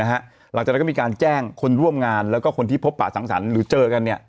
หลังจากนั้นก็มีการแจ้งคนร่วมงานแล้วก็คนที่พบปะสังสรรค์หรือเจอกัน